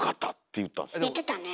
言ってたね。